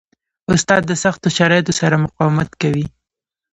استاد د سختو شرایطو سره مقاومت کوي.